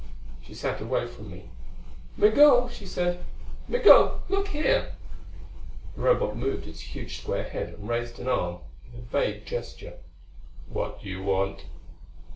She sat away from me. "Migul!" she said. "Migul, look here." The Robot moved its huge square head and raised an arm with a vague gesture. "What do you want?"